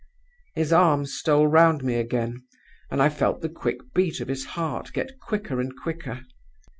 "His arm stole round me again; and I felt the quick beat of his heart get quicker and quicker.